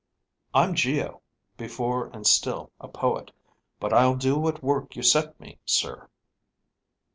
"I'm Geo, before and still a poet. But I'll do what work you set me, sir."